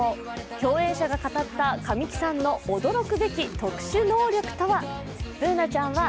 共演者が語った神木さんの驚くべき特殊能力とは？